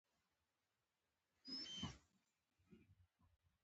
ټلیفون مي په کور کي پرېښود .